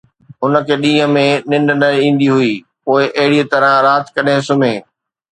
هن کي ڏينهن ۾ ننڊ نه ايندي هئي، پوءِ اهڙيءَ طرح رات ڪڏهن سمهي!